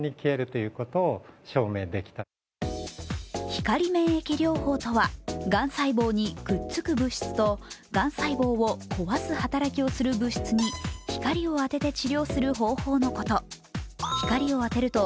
光免疫療法とはがん細胞にくっつく物質とがん細胞を壊す働きをする物質に光を当てて治療する方法のこと。